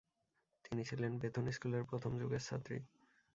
তিনি ছিলেন বেথুন স্কুলের প্রথম যুগের ছাত্রী।